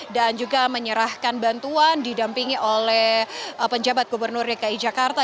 dan juga menyerahkan bantuan didampingi oleh penjabat gubernur dki jakarta